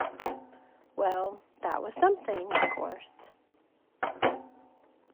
Well, that was something, of course.